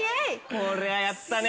こりゃやったね。